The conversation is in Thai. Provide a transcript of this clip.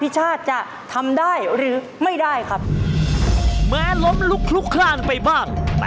ยากเหมือนกันน่ะเนี่ยเนอะ